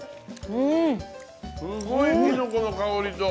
すごい、きのこの香りと。